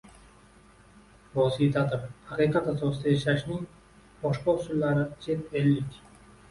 vositadir. “Haqiqat asosida yashash”ning boshqa usullari, chet ellik